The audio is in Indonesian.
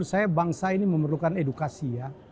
saya ya karena menurut saya